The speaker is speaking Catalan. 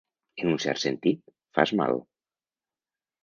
En un cert sentit, fas mal.